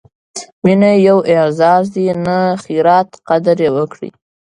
مینه یو اعزاز دی، نه خیرات؛ قدر یې وکړئ!